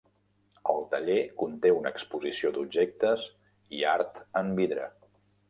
El taller conté una exposició d’objectes i art en vidre.